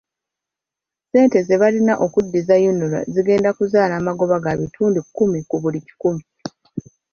Ssente ze balina okuddiza UNRA zigenda kuzaala amagoba ga bitundu kumi ku buli kikumi.